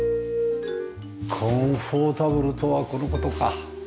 コンフォータブルとはこの事か。